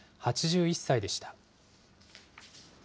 ８１歳でした。